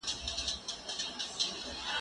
ايا ته خواړه ورکوې